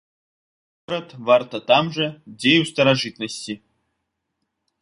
Горад варта там жа, дзе і ў старажытнасці.